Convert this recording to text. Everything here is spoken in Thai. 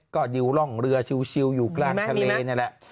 ก็ดิวร่องเรือชิวอยู่กลางทะเลนี่แหละ